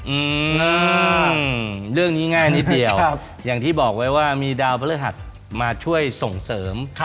อืมเรื่องนี้ง่ายนิดเดียวครับอย่างที่บอกไว้ว่ามีดาวพระฤหัสมาช่วยส่งเสริม